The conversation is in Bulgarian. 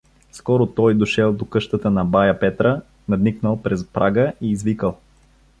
Скоро той дошел до къщата на бая Петра, надникнал през прага и извикал: